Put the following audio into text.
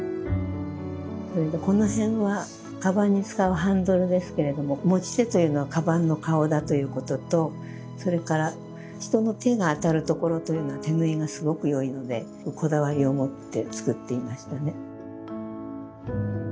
それでこの辺はカバンに使うハンドルですけれども持ち手というのはカバンの顔だということとそれから人の手が当たるところというのは手縫いがすごくよいのでこだわりを持って作っていましたね。